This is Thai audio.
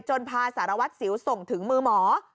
พาสารวัตรสิวส่งถึงมือหมอ